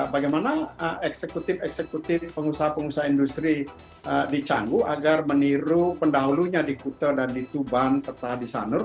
bagaimana eksekutif eksekutif pengusaha pengusaha industri dicangguh agar meniru pendahulunya di kute dan di tuban serta di sanur